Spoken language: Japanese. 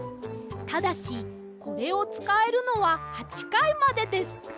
ただしこれをつかえるのは８かいまでです。